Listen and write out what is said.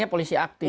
ya polisi aktif